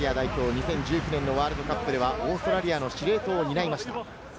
２０１９年のワールドカップではオーストラリアの司令塔を担いました。